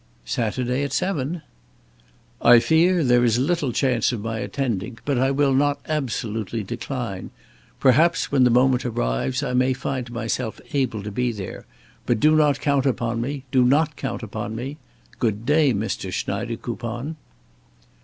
"Saturday at seven." "I fear there is little chance of my attending, but I will not absolutely decline. Perhaps when the moment arrives, I may find myself able to be there. But do not count upon me do not count upon me. Good day, Mr. Schneidekoupon."